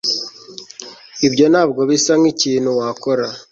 Ibyo ntabwo bisa nkikintu wakora